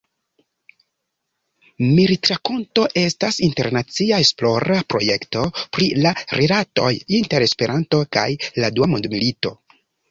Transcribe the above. Militrakonto estas internacia esplora projekto pri la rilatoj inter Esperanto kaj la Dua Mondmilito.